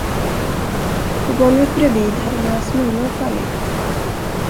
På golvet bredvid hade några smulor fallit.